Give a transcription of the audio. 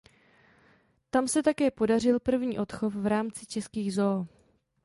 Tam se také podařil první odchov v rámci českých zoo.